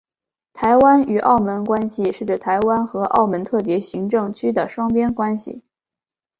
台湾与澳门关系是指台湾和澳门特别行政区的双边关系。